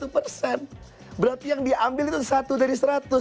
berarti yang diambil itu satu dari seratus